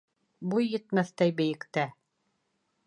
Буй етмәҫтәй бейектә